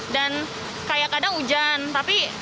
dan kayak kadang hujan tapi